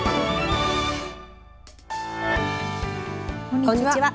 こんにちは。